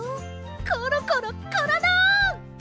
コロコロコロロ！